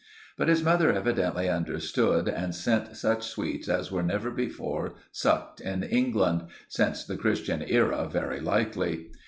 But his mother evidently understood, and sent such sweets as were never before sucked in England—since the Christian era very likely.